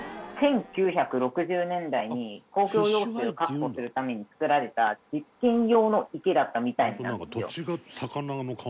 １９６０年代に工業用水を確保するために作られた実験用の池だったみたいなんですよ。